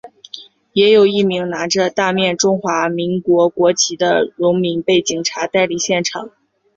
也有一名拿着大面中华民国国旗的荣民被警察带离现场。